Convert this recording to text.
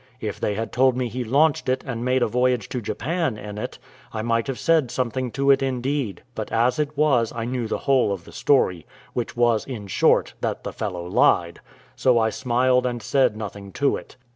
If they had told me he launched it, and made a voyage to Japan in it, I might have said something to it indeed; but as it was, I knew the whole of the story, which was, in short, that the fellow lied: so I smiled, and said nothing to it.